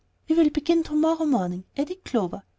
"We will begin to morrow morning," added Clover.